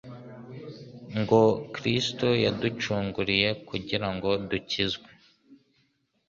ngo: " Kristo yaducunguriye kugira ngo dukizwe